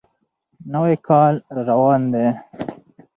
نوی کال را روان دی.